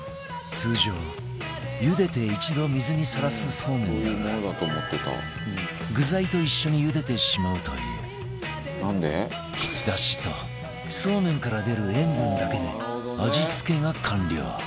通常、ゆでて一度、水にさらす、そうめんだが具材と一緒にゆでてしまうというだしとそうめんから出る塩分だけで味付けが完了